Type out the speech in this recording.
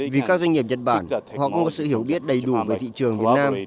vì các doanh nghiệp nhật bản họ cũng có sự hiểu biết đầy đủ về thị trường việt nam